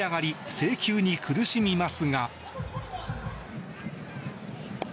制球に苦しみますが。